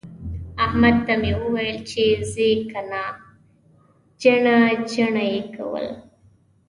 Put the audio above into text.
احمد ته مې وويل چې ځې که نه؟ جڼه جڼه يې کول.